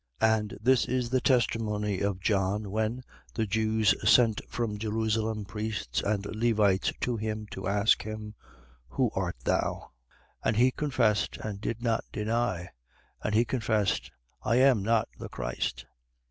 1:19. And this is the testimony of John, when the Jews sent from Jerusalem priests and Levites to him, to ask him: Who art thou? 1:20. And he confessed and did not deny: and he confessed: I am not the Christ.